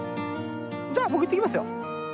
じゃあ僕行ってきますよ。